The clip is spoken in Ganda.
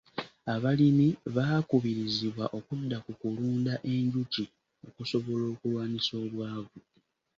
Abalimi baakubirizibwa okudda ku kulunda enjuki okusobola okulwanyisa obwavu.